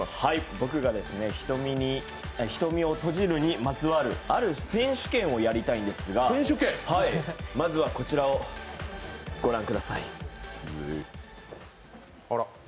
僕は瞳を閉じるにまつわるある選手権をやりたいんですが、まずはこちらをご覧ください。